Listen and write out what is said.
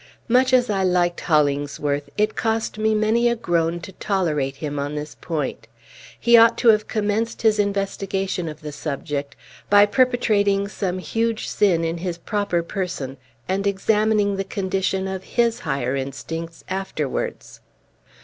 Much as I liked Hollingsworth, it cost me many a groan to tolerate him on this point. He ought to have commenced his investigation of the subject by perpetrating some huge sin in his proper person, and examining the condition of his higher instincts afterwards.